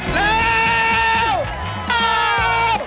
เร็ว